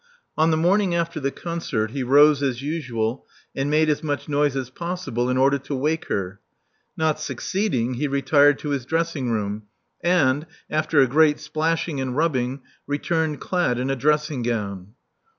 On the morning after the concert he rose as usual, and made as much noise as possible in order to wake her. Not succeeding, he retired to his dressing room and, after a great splashing and rubbing, returned clad in a dressing gown.